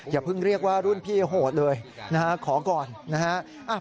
อย่าเพิ่งเรียกว่ารุ่นพี่โหดเลยนะฮะขอก่อนนะฮะ